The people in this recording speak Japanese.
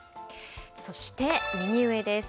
そして右上です。